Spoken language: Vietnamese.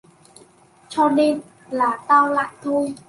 cho nên là tao lại thôi